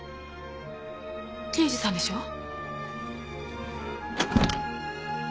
刑事さんでしょう？